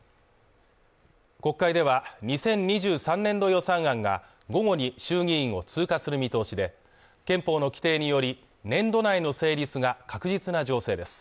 国会では、２０２３年度予算案が、午後に衆議院を通過する見通しで、憲法の規定により、年度内の成立が確実な情勢です。